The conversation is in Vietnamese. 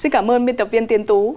xin cảm ơn biên tập viên tiến tú